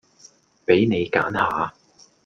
畀你揀下